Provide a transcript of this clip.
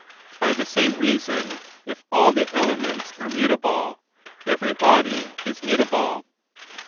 By the same reason, if all the elements are mutable, evei"y body is mutable.